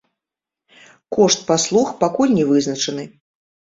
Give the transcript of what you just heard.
Кошт паслуг пакуль не вызначаны.